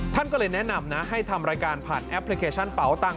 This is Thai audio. ท่านก็เลยแนะนำนะให้ทำรายการผ่านแอปพลิเคชันเป๋าตังค